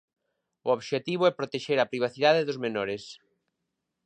O obxectivo é protexer a privacidade dos menores.